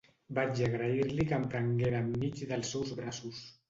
Vaig agrair-li que em prenguera enmig dels seus braços.